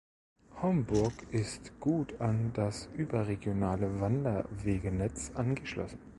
Homburg ist gut an das überregionale Wanderwegenetz angeschlossen.